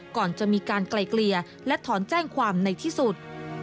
ก่อนจะมีการไกลเกลี่ยและถอนแจ้งความในที่สุด